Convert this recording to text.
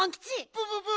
プププ！